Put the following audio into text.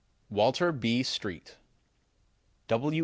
Walter B. Street W.